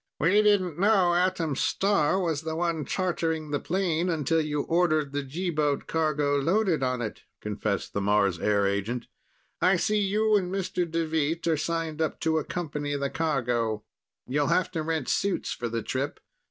"We didn't know Atom Star was the one chartering the plane until you ordered the G boat cargo loaded on it," confessed the Mars Air agent. "I see you and Mr. Deveet are signed up to accompany the cargo. You'll have to rent suits for the trip.